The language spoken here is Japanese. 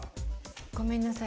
ごめんなさい。